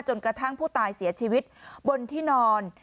จนกระทั่งผู้ตายเสียชีวิตบนที่นอน